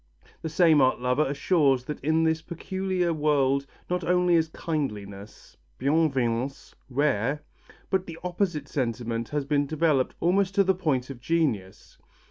The same art lover assures us that in this peculiar world not only is kindliness (bienveillance) rare, but the opposite sentiment has been developed almost to the point of genius.